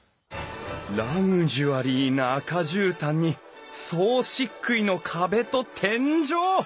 ラグジュアリーな赤じゅうたんに総しっくいの壁と天井！